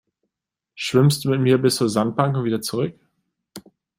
Schwimmst du mit mir bis zur Sandbank und wieder zurück?